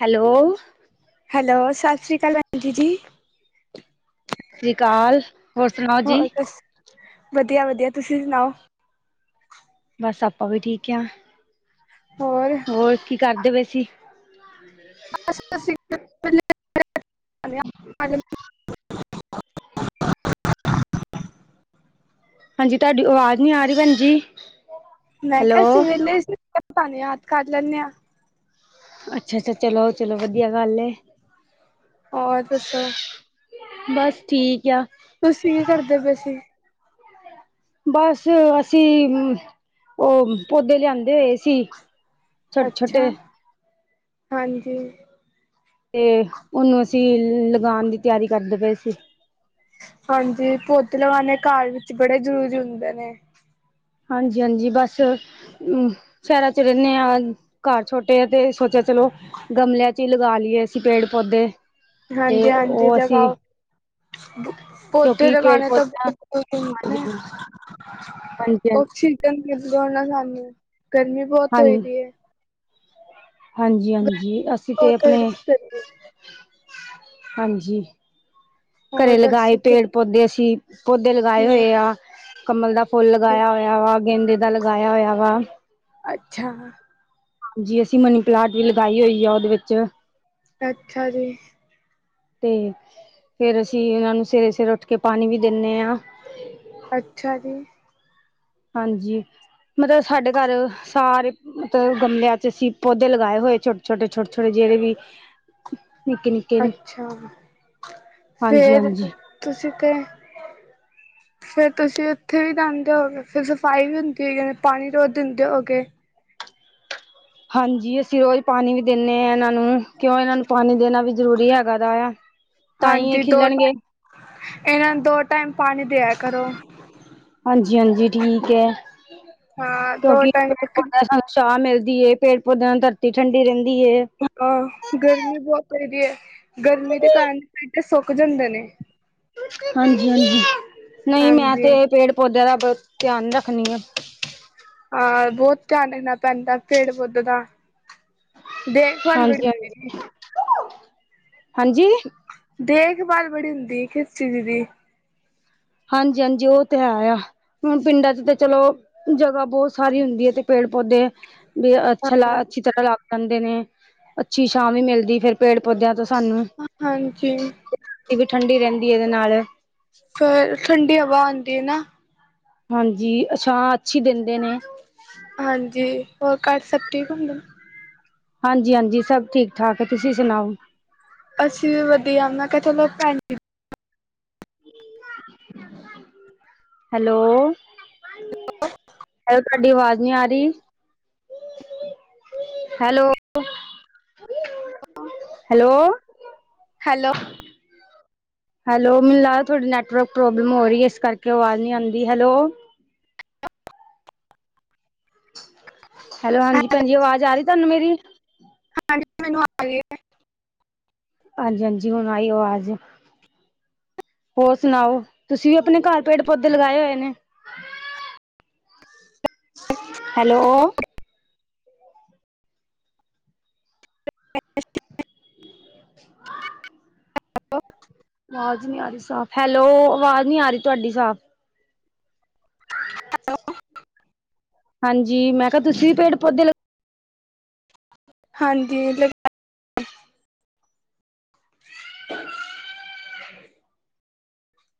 Hello, hello. Hello, ਸਤਿ ਸ਼੍ਰੀ ਅਕਾਲ ਆਂਟੀ ਜੀ। ਸਤਿ ਸ਼੍ਰੀ ਅਕਾਲ। ਹੋਰ ਸੁਣਾਓ ਹੋ ਜੀ ਰ ਫੇਰ, ਵਧੀਆ ਵਧੀਆ। ਤੁਸੀਂ ਸੁਣਾਓ? ਬਸ ਆਪਾਂ ਵੀ ਠੀਕ ਆਂ। ਹੋਰ? ਹੋਰ ਕੀ ਕਰਦੇ ਵੈ ਸੀ? [inaudible] [unintelligible] ਹਾਂਜੀ ਤੁਹਾਡੀ ਆਵਾਜ਼ ਨੀ ਆ ਰਹੀ ਭੈਣ ਜੀ। ਮੈਂ ਹੈਲੋ ਕਿਹਾ ਸੀ ਤੁਹਾਨੂੰ ਯਾਦ ਕਰ ਲੈਂਣੇ ਆ। ਅੱਛਾ ਅੱਛਾ ਚਲੋ ਚਲੋ ਵਧੀਆ ਗੱਲ ਏ ਹੋਰ ਦੱਸੋ ਬਸ ਠੀਕ ਆ ਤੁਸੀਂ ਕੀ ਕਰਦੇ ਪਏ ਸੀ ਬਸ ਅਸੀਂ ਆਮ ਉਹ ਪੌਦੇ ਲਿਆਂਦੇ ਹੋਏ ਸੀ ਛੋਟੇ ਅੱਛਾ, ਛੋਟੇ ਹਾਂਜੀ ਤੇ ਉਹਨੂੰ ਅਸੀਂ ਲਗਾਣ ਦੀ ਤਿਆਰੀ ਕਰਦੇ ਪਏ ਸੀ। ਹਾਂਜੀ ਪੌਦੇ ਲਗਾਣੇ ਘਰ ਵਿੱਚ ਬੜੇ ਜ਼ਰੂਰੀ ਹੁੰਦੇ ਨੇ ਹਾਂਜੀ ਹਾਂਜੀ ਬਸ ਸ਼ਹਿਰਾਂ ਚ ਰਹਿੰਦੇ ਹ ਘਰ ਛੋਟੇ ਆ ਤੇ ਸੋਚਿਆ ਚਲੋ ਗਮਲਿਆਂ ਚ ਹੀ ਲਗਾ ਲਈਏ ਅਸੀਂ ਪੇੜ ਪੌਦੇ ਤੇ ਹਾਂਜੀ ਹਾਂਜੀ ਉਹ ਅਸੀਂ ਜਗਾਓ ਪੌਦੇ ਕਿਉਂਕਿ ਪੇੜ ਲਗਾਣੇ ਤਾਂ ਪੌਦਾ ਬਹੁਤ ਜ਼ਰੂਰੀ ਨੇ ਹਾਂਜੀ ਹਾਂਜੀ ਆਕਸੀਜਨ ਮਿਲਦਾ ਨਾ ਸਾਨੂੰ ਗਰਮੀ ਬਹੁਤ ਹੋਈ ਹਾਂਜੀ ਦੀ ਹੈ ਹਾਂਜੀ ਹਾਂਜੀ ਗਰਮੀ ਅਸੀਂ ਤੇ ਬਹੁਤ ਹੋਈ ਆਪਣੇ ਦੀ ਗਰਮੀ ਹਾਂਜੀ ਹੋਰ ਘਰੇ ਦੱਸੋ ਲਗਾਏ ਫਿਰ ਪੇੜ ਪੌਦੇ ਅਸੀਂ ਪੌਦੇ ਲਗਾਏ ਹੂੰ ਹੋਏ ਆ ਕਮਲ ਦਾ ਫੁੱਲ ਲਗਾਇਆ ਹੋਇਆ ਵਾ ਗੇਦੇ ਦਾ ਲਗਾਇਆ ਹੋਇਆ ਵਾ ਅੱਛਾ ਹਾਂਜੀ ਅਸੀਂ ਮਨੀ ਪਲਾਂਟ ਵੀ ਲਗਾਈ ਹੋਈ ਆ ਉਹਦੇ ਵਿੱਚ ਅੱਛਾ ਜੀ ਅਤੇ ਫੇਿਰ ਅਸੀਂ ਏਹਨਾਂ ਨੂੰ ਸਵੇਰੇ ਸਵੇਰੇ ਉੱਠ ਕੇ ਪਾਣੀ ਵੀ ਦਿੰਦੇ ਹਾਂ ਅੱਛਾ ਜੀ ਹਾਂਜੀ ਮਤਲਬ ਸਾਡੇ ਘਰ ਸਾਰੇ ਮਤਲਬ ਗਮਲਿਆਂ ਚ ਅਸੀਂ ਪੌਦੇ ਲਗਾਏ ਹੋਏ ਛੋਟੇ ਛੋਟੇ ਛੋਟੇ ਛੋਟੇ ਜਿਹੜੇ ਵੀ ਨਿੱਕੀ ਨਿੱਕ ਅੱਛਾ ਹਾਂਜੀ ਫੇਰ ਹਾਂਜੀ ਤੁਸੀਂ ਤੇ ਫੇਰ ਤੁਸੀਂ ਉੱਥੇ ਵੀ ਰਹਦੇ ਹੋਗੇ ਫਿਰ ਸਫਾਈ ਵੀ ਹੁੰਦੀ ਹੈਗੀ ਪਾਣੀ ਰੋਜ਼ ਦਿੰਦੇ ਹੋਗੇ ਹਾਂਜੀ ਅਸੀਂ ਰੋਜ਼ ਪਾਣੀ ਵੀ ਦਿੰਨੇ ਹਾਂ ਇਹਨਾਂ ਨੂੰ ਕਿਉਂ ਇਹਨਾਂ ਨੂੰ ਪਾਣੀ ਦੇਣਾ ਵੀ ਜ਼ਰੂਰੀ ਹੈਗਾ ਦਾ ਆ ਤਾਂ ਹੀ ਇਹ ਹਾਂਜੀ ਦੋ ਖੇਿਲਣਗੇ ਟਾਈਮ ਇਹਨਾਂ ਨੂੰ ਦੋ ਟਾਈਮ ਪਾਣੀ ਦਿਆ ਕਰੋ ਹਾਂਜੀ ਹਾਂਜੀ ਠੀਕ ਹੈ ਹਾਂ ਦੋ ਕਿਉਂਕਿ ਟਾਈਮ ਹਾਂ ਸ਼ਾਹ ਮਿਲਦੀ ਹੈ ਪੇੜ ਪੌਦਿਆਂ ਨਾਲ ਧਰਤੀ ਠੰਡੀ ਰਹਿੰਦੀ ਏ ਹਾਂ ਗਰਮੀ ਬਹੁਤ ਪੈਦੀ ਹੈ ਗਰਮੀ ਦੇ ਕਾਰਨ ਪੇਡੇ ਸੁੱਕ ਜਾਂਦੇ ਨੇ ਹਾਂਜੀ ਹਾਂਜੀ ਨਹੀਂ ਮੈਂ ਹਾਂਜੀ ਤੇ ਇਹ ਪੇੜ ਪੌਦਿਆਂ ਦਾ ਬਹੁਤ ਧਿਆਨ ਰੱਖਣੀ ਆ ਹਾਂ ਬਹੁਤ ਧਿਆਨ ਰੱਖਣਾ ਪੈਂਦਾ ਪੇੜ ਪੌਧੇ ਦਾ ਦੇਖਭਾਲ ਬੜੀ ਹਾਂਜੀ ਚਾਹੀਦੀ ਹਾਂਜੀ ਦੇਖਭਾਲ ਬੜੀ ਹੁੰਦੀ ਕਿਸ ਚੀਜ਼ ਦੀ ਹਾਂਜੀ ਹਾਂਜੀ ਉਹ ਤੇ ਹੈ ਆ ਹੁਣ ਪਿੰਡਾਂ ਚ ਤੇ ਚਲੋ ਜਗ੍ਹਾ ਬਹੁਤ ਸਾਰੀ ਹੁੰਦੀ ਹੈ ਤੇ ਪੇੜ ਪੌਦੇ ਵੀ ਅੱਛਾ ਲਾ ਅੱਛੀ ਤਰ੍ਹਾਂ ਲੱਗ ਜਾਂਦੇ ਨੇ ਅੱਛੀ ਛਾਂ ਵੀ ਮਿਲਦੀ ਫੇਰ ਪੇੜ ਪੌਦਿਆਂ ਤੋਂ ਸਾਨੂੰ ਹਾਂਜੀ ਧਰਤੀ ਵੀ ਠੰਡੀ ਰਹਿੰਦੀ ਹੈ ਇਹਦੇ ਨਾਲ ਫਿਰ ਠੰਡੀ ਹਵਾ ਆਉਂਦੀ ਹੈ ਨਾ ਹਾਂਜੀ ਛਾ ਅੱਛੀ ਦਿੰਦੇ ਨੇ ਹਾਂਜੀ ਹੋਰ ਘਰ ਸਭ ਠੀਕ ਹੁੰਦਾ ਹਾਂਜੀ ਹਾਂਜੀ ਸਭ ਠੀਕ ਠਾਕ ਤੁਸੀਂ ਸੁਣਾਓ ਅਸੀਂ ਵੀ ਵਧੀਆ ਮੈਂ ਕਿਹਾ ਚਲੋਬੈਣ ਹੈਲੋ ਹੈ ਤੁਹਾਡੀ ਆਵਾਜ਼ ਨਹੀਂ ਆ ਰਹੀ ਹੈਲੋ ਹੈਲੋ ਹੈਲੋ ਹੈਲੋ ਮੈਨੂੰ ਲ ਤੁਹਾਡੀ ਨੈੱਟਵਰਕ ਪ੍ਰੋਬਲਮ ਹੋ ਰਹੀ ਹੈ ਇਸ ਕਰਕੇ ਆਵਾਜ਼ ਨਹੀਂ ਆਉਂਦੀ ਹੈਲੋ ਹੈਲੋ ਹਾਂਜੀ ਭੈਂਜੀ ਆਵਾਜ਼ ਆ ਰਹੀ ਤੁਹਾਨੂੰ ਮੇਰੀ ਹਾਂਜੀ ਮੈਨੂੰ ਆ ਹੀ ਹੈ ਹਾਂਜੀ-ਹਾਂਜੀ ਹੁਨ ਆਈ ਆ ਆਜ਼ ਹੋਰ ਸੁਨਾਓ ਤੁਸੀਂ ਵੀ ਆਪਣੇ ਘਰ ਪੇੜ ਪੌਦੇ ਲਗਾਏ ਹੋਏ ਨੇ ਹੈਲੋ [inaudible] [inaudible] [inaudible] ਆਵਾਜ਼ ਨਹੀਂ ਆ ਰਹੀ ਸਾਫ਼ ਹੈਲੋ ਆਵਾਜ਼ ਨੀ ਆ ਰਹੀ ਤੁਹਾਡੀ ਸਾਫ਼ [unintelligible] ਹਾਂਜੀ ਮੈਂ ਕਿਹਾ ਤੁਸੀਂ ਵੀ ਪੇੜ ਪੌਦੇ ਹਾਂਜੀ